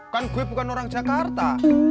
kan gue bukan orang jakarta